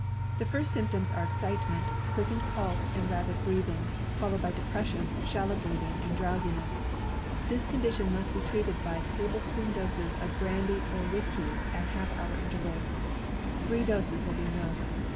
The first symptoms are excitement, quickened pulse and rapid breathing, followed by depression, shallow breathing and drowsiness. This condition must be treated by tablespoonful doses of brandy or whiskey at half hour intervals. Three doses will be enough.